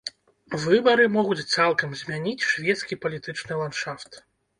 Выбары могуць цалкам змяніць шведскі палітычны ландшафт.